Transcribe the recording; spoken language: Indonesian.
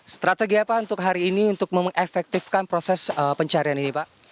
strategi apa untuk hari ini untuk mengefektifkan proses pencarian ini pak